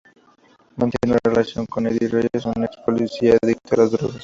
Mantiene una relación con Eddie Reyes, un ex policía adicto a las drogas.